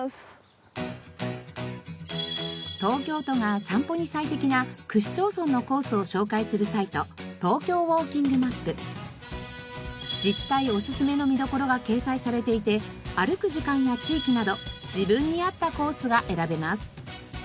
東京都が散歩に最適な区市町村のコースを紹介するサイト自治体おすすめの見どころが掲載されていて歩く時間や地域など自分に合ったコースが選べます。